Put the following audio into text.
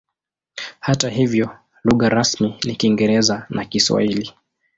Hata hivyo lugha rasmi ni Kiingereza na Kiswahili.